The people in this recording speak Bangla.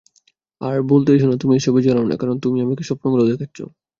আর বলতে এসো না তুমি এসবে জড়াও না, কারণ তুমিই আমাকে স্বপ্নগুলো দেখাচ্ছো।